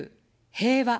平和。